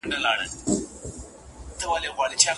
شاګرد د لارښود له اجازې پرته موضوع نه بدلوي.